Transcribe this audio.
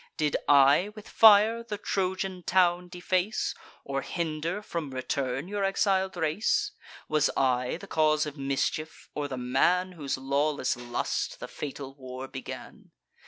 Did I with fire the Trojan town deface, Or hinder from return your exil'd race? Was I the cause of mischief, or the man Whose lawless lust the fatal war began?